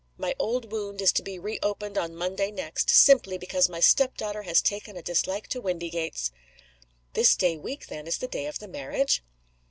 My old wound is to be reopened on Monday next simply because my step daughter has taken a dislike to Windygates." "This day week, then, is the day of the marriage?"